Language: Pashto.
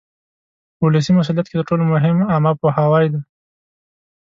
په ولسي مسؤلیت کې تر ټولو مهم عامه پوهاوی دی.